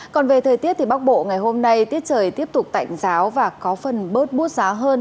còn về thời tiết thì bắc bộ ngày hôm nay tiết trời tiếp tục tạnh giáo và có phần bớt bút giá hơn